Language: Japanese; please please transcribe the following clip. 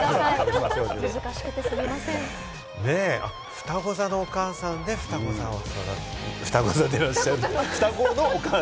ふたご座のお母さんで双子さんを育ててらっしゃる。